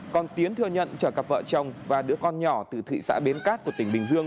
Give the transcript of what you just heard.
còn tiến thừa nhận chở cặp vợ chồng và đứa con nhỏ từ thị xã bến cát của tỉnh bình dương